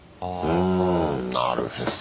うんなるへそ。